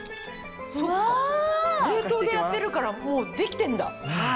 そっか冷凍でやってるからもうできてんだ！